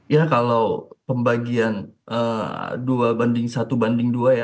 ya kalau pembagian dua banding satu banding dua ya